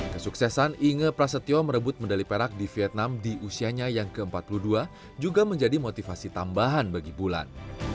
kesuksesan inge prasetyo merebut medali perak di vietnam di usianya yang ke empat puluh dua juga menjadi motivasi tambahan bagi bulan